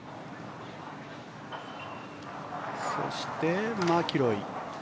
そして、マキロイ。